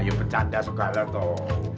ayo bercanda segala tuh